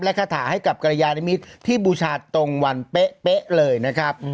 และคาถาให้กับกรยานิมิตรที่บูชาตรงวันเป๊ะเลยนะครับ